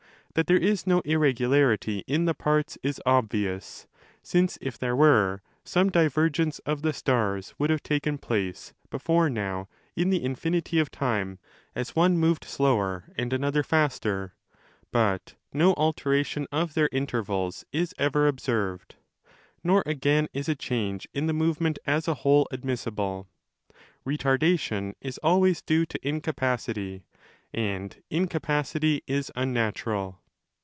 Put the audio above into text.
That there is no irregularity in the parts is obvious, since, if there were, some divergence τὸ of the stars would have taken place' before now in the infinity of time, as one moved slower and another faster : but no alteration of their intervals is ever observed. Nor again is a change in the movement as a whole admissible. Retardation is always due to incapacity, and incapacity is unnatural.